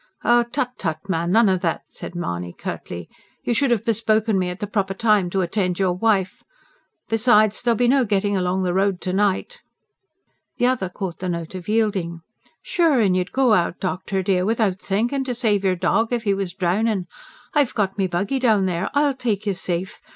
"Tut, tut, man, none of that!" said Mahony curtly. "You should have bespoken me at the proper time to attend your wife. Besides, there'll be no getting along the road to night." The other caught the note of yielding. "Sure an' you'd go out, doctor dear, without thinkin', to save your dog if he was drownin'. I've got me buggy down there; I'll take you safe.